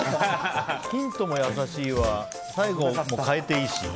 ヒントも優しいわ最後も変えていいし。